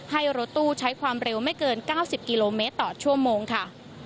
ให้รถตู้ใช้ความเร็วไม่เกิน๙๐กิโลเมตรต่อชั่วโมงค่ะ